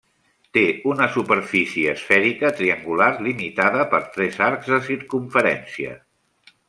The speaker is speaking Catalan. Té una superfície esfèrica triangular limitada per tres arcs de circumferència.